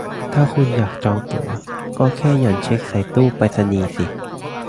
ถ้าคุณอยากจองตั๋วก็แค่หย่อนเช็กใส่ตู้ไปรษณีย์สิ